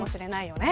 ね